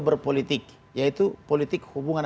berpolitik yaitu politik hubungan